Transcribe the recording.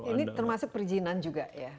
ini termasuk perizinan juga ya